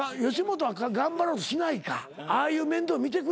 ああいう面倒見てくれないか。